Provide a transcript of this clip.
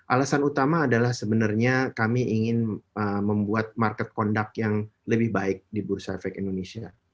alasan utama adalah sebenarnya kami ingin membuat market conduct yang lebih baik di bursa efek indonesia